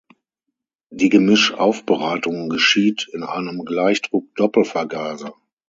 Die Gemischaufbereitung geschieht in einem Gleichdruck-Doppelvergaser.